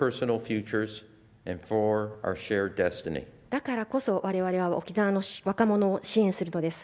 だからこそ、我々は沖縄の若者を支援するのです。